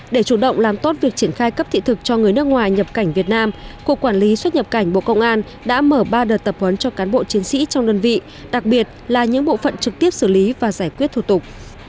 để chủ động làm tốt việc triển khai cấp thị thực cho người nước ngoài nhập cảnh việt nam cục quản lý xuất nhập cảnh bộ công an đã mở ba đợt tập huấn cho cán bộ chiến sĩ trong đơn vị đặc biệt là những bộ phận trực tiếp xử lý và giải quyết thủ tục